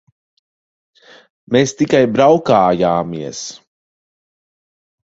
Mēs tikai braukājāmies.